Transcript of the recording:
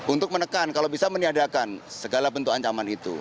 untuk menekan kalau bisa meniadakan segala bentuk ancaman itu